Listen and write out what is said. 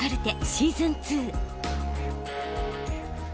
シーズン２。